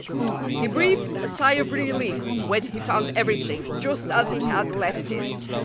He breathed a sigh of relief when he found everything just as he had left it.